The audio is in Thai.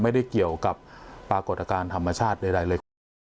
ไม่ได้เกี่ยวกับปรากฏการณ์ธรรมชาติใดเลยคุณ